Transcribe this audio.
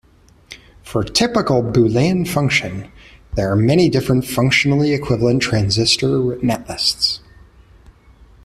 For a typical Boolean function, there are many different functionally equivalent transistor netlists.